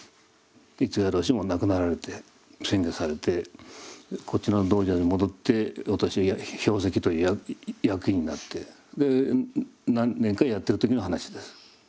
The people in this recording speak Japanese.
逸外老師も亡くなられて遷化されてこちらの道場に戻って私は評席という役員になって何年かやってる時の話です。